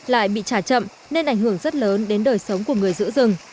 lại bị trả chậm nên ảnh hưởng rất lớn đến đời sống của người dân